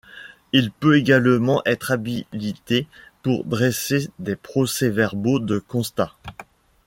Il peut également être habilité pour dresser des procès-verbaux de constat.